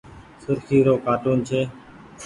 سرکي رو ڪآٽون ڇي۔